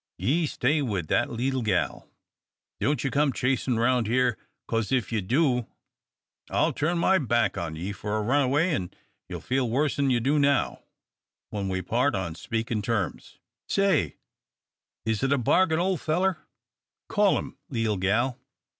Ye stay with that leetle gal. Don't ye come chasin' round here, 'cause if ye do, I'll turn my back on ye for a runaway, an' ye'll feel worse'n ye do now when we part on speakin' terms. Say, is it a bargain, ole feller? Call him, leetle gal."